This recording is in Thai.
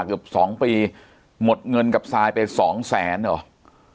เสียกับ๒ปีหมดเงินกับทรายได้สองแสนหรอ